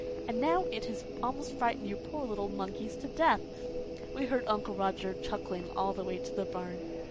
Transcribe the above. And now it has almost frightened you poor little monkeys to death." We heard Uncle Roger chuckling all the way to the barn.